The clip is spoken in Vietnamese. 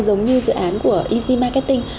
giống như dự án của easy marketing